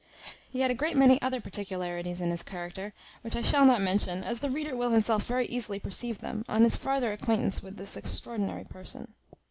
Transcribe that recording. He had a great many other particularities in his character, which I shall not mention, as the reader will himself very easily perceive them, on his farther acquaintance with this extraordinary person.